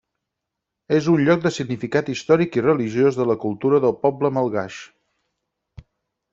És un lloc de significat històric i religiós de la cultura del poble malgaix.